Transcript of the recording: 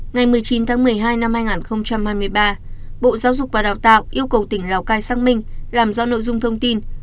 ngày một mươi chín tháng một mươi hai năm hai nghìn hai mươi ba bộ giáo dục và đào tạo yêu cầu tỉnh lào cai xác minh làm rõ nội dung thông tin